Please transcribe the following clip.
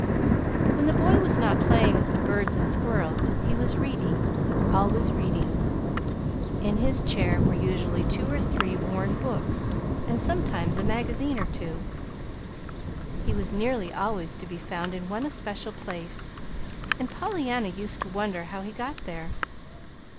When the boy was not playing with the birds and squirrels he was reading always reading. In his chair were usually two or three worn books, and sometimes a magazine or two. He was nearly always to be found in one especial place, and Pollyanna used to wonder how he got there.